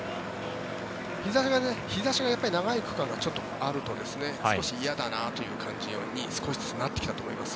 日差しが長い区間があると少し嫌だなという感じに少しずつなってきたと思います。